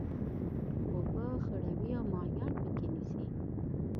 اوبه خړوي او ماهيان پکښي نيسي.